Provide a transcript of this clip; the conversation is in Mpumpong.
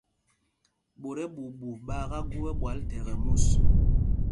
Ɓot ɛ́ɓuuɓu ɓaaká gú ɛ́ɓwǎl thɛkɛ mus.